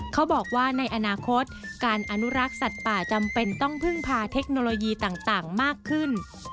เขาบอกว่าในอนาคตการอนุรักษ์สัตว์ป่าจำเป็นต้องพึ่งพาเทคโนโลยีต่างมากขึ้น